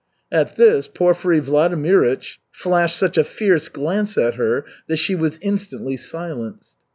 At this Porfiry Vladimirych flashed such a fierce glance at her that she was instantly silenced.